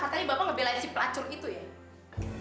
katanya bapak ngebelain si pelacur itu ya